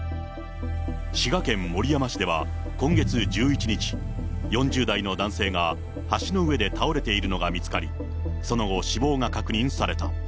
滋賀県守山市では、今月１１日、４０代の男性が、橋の上で倒れているのが見つかり、その後、死亡が確認された。